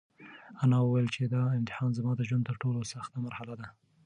انا وویل چې دا امتحان زما د ژوند تر ټولو سخته مرحله ده.